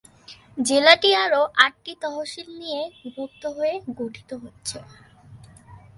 জেলাটি আরও আটটি তহশিল নিয়ে বিভক্ত হয়ে গঠিত হয়েছে।